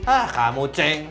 ah kamu ceng